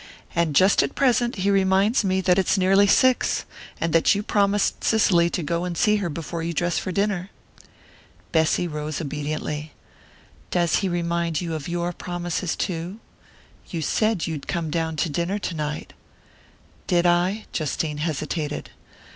"And just at present he reminds me that it's nearly six, and that you promised Cicely to go and see her before you dress for dinner." Bessy rose obediently. "Does he remind you of your promises too? You said you'd come down to dinner tonight." "Did I?" Justine hesitated.